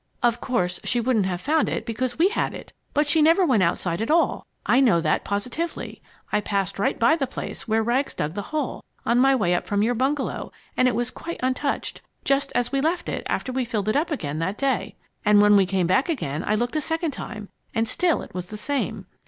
(Of course, she wouldn't have found it because we had it!) But she never went outside at all. I know that positively. I passed right by the place where Rags dug the hole, on my way up from your bungalow, and it was quite untouched, just as we left it after we filled it up again that day. And when we came back again, I looked a second time, and still it was the same.